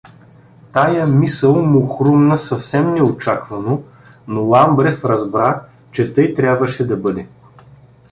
Тая мисъл му хрумна съвсем нечакано, но Ламбрев разбра, че тъй трябваше да бъде.